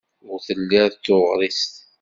Ur telliḍ d tuɣrist.